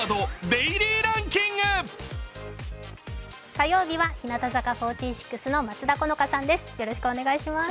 火曜日は日向坂４６の松田好花さんです。